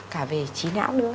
cả về trí não nữa